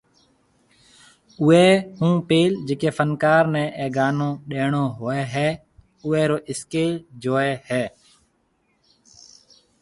اوئي ھونپيل جڪي فنڪار ني اي گانو ڏيڻو ھوئي ھيَََ اوئي رو اسڪيل جوئي ھيَََ